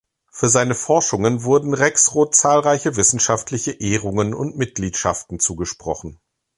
Für seine Forschungen wurden Rexroth zahlreiche wissenschaftliche Ehrungen und Mitgliedschaften zugesprochen.